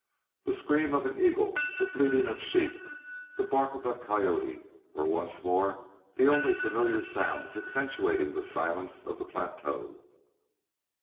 The scream of an eagle, the bleating of sheep, the bark of a coyote were once more the only familiar sounds accentuating the silence of the plateau.